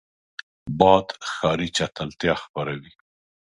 باد د ښاري چټلتیا خپروي